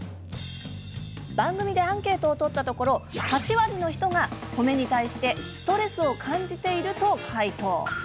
番組でアンケートを取ったところ８割の人が「褒め」に対してストレスを感じていると回答。